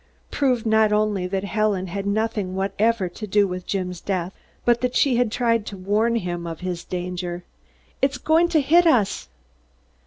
proved not only that Helen had nothing whatever to do with Jim's death, but that she had tried to warn him of his danger. "It's going to hit us!"